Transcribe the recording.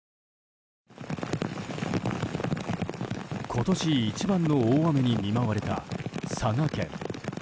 今年一番の大雨に見舞われた佐賀県。